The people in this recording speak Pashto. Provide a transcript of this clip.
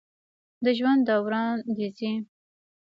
د ژوند دوران د زی